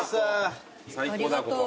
最高だここ。